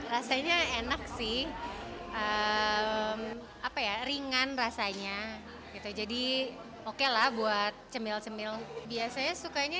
rasanya enak sih apa ya ringan rasanya itu jadi oke lah buat cemil cemil biasanya sukanya